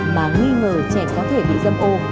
mà nghi ngờ trẻ có thể bị dâm ô